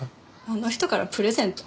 あの人からプレゼント？